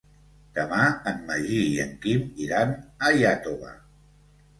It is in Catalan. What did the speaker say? Demà en Magí i en Quim iran a Iàtova.